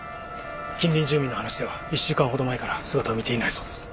近隣住民の話では１週間ほど前から姿を見ていないそうです。